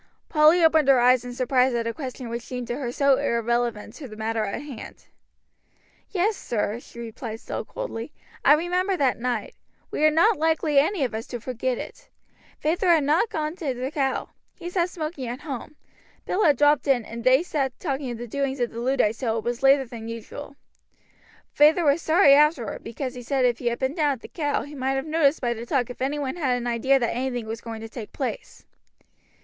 Polly opened her eyes in surprise at a question which seemed to her so irrelevant to the matter in hand; "Yes, sir," she replied, still coldly. "I remember that night. We are not likely any of us to forget it. Feyther had not gone to the 'Cow.' He sat smoking at home. Bill had dropped in, and they sat talking of the doings of the Luddites till it was later than usual. Feyther was sorry afterward, because he said if he had been down at the 'Cow' he might have noticed by the talk if any one had an idea that anything was going to take place."